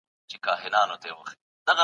څېړونکی باید بې طرفه قضاوت وکړي.